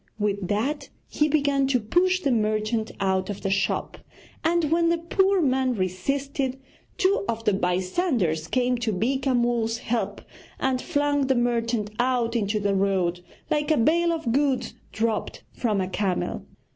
With that he began to push the merchant out of the shop; and, when the poor man resisted, two of the bystanders came to Beeka Mull's help, and flung the merchant out into the road, like a bale of goods dropped from a camel.